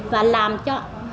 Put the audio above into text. và làm cho